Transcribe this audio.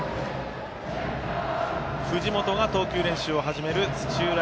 藤本が投球練習を始める土浦